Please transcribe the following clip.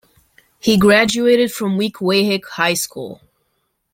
He graduated from Weequahic High School.